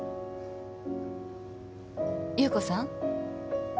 侑子さん。